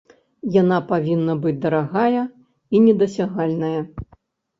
Яна павінна быць дарагая і недасягальная.